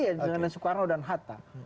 yaitu dengan soekarno dan hatta